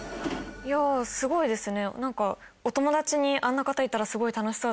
いやすごいよね。